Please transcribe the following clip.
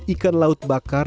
ikan laut bakar